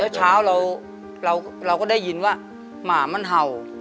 เช้าเราก็ได้ยินว่าหมามันเห่า